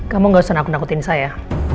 kamu gak usah nakut nakutin saya